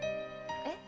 えっ？